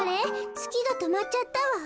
つきがとまっちゃったわ。